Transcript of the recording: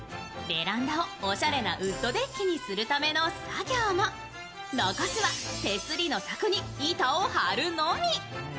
ベランダをおしゃれにするための作業も残すは手すりの柵に板を張るのみ。